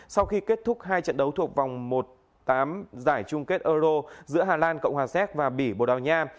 sau khi kết thúc hai trận đấu thuộc vòng tám giải chung kết euro giữa hà lan cộng hòa séc và bỉ bồ đào nha